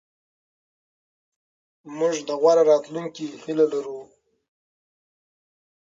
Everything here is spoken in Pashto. موږ د غوره راتلونکي هیله لرو.